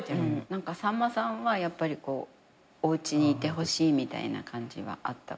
さんまさんはやっぱりおうちにいてほしいみたいな感じはあった。